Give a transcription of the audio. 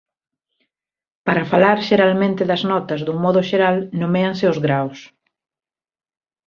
Para falar xeralmente das notas dun modo xeral noméanse os graos.